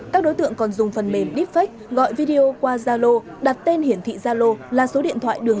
các đối tượng còn dùng phần mềm deepfake gọi video qua zalo đặt tên hiển thị gia lô là số điện thoại đường